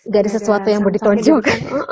gak ada sesuatu yang boleh ditonjok